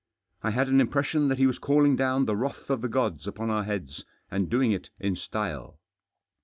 I had an impression that he was calling down the wrath of the gods upon our heads, and doing it in style.